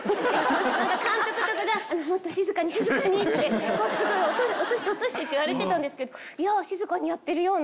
なんか監督とかが「もっと静かに静かに」ってスゴい「落として落として」って言われてたんですけど「いや静かにやってるような。